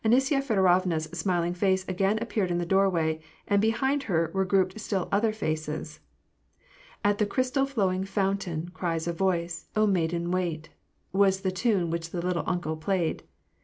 Anisya Feodo Tovna's smiling face again appeared in the doorway, and be hind her were grouped still other faces. " At the crystal flowing fountain Cries a voice, * O maiden, wait! *'* was the tune which the "little uncle " played.